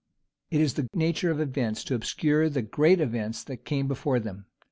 It is the nature of great events to obscure the great events that came before them.